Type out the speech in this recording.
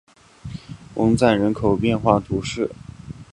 翁赞人口变化图示